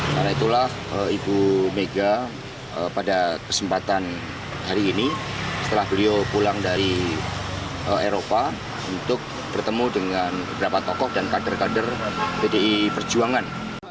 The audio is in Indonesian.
karena itulah ibu mega pada kesempatan hari ini setelah beliau pulang dari eropa untuk bertemu dengan beberapa tokoh dan kader kader pdi perjuangan